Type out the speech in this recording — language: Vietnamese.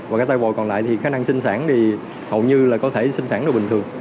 và cái tay vòi còn lại thì khả năng sinh sản thì hầu như là có thể sinh sản là bình thường